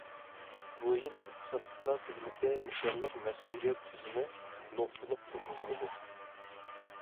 بۇ يىل ئىختىساسلىقلار خىزمىتى نىشانلىق مەسئۇلىيەت تۈزۈمى نۇقتىلىق تۇرغۇزۇلىدۇ.